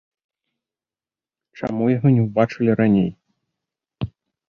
Чаму яго не ўбачылі раней?